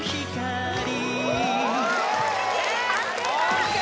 ＯＫ！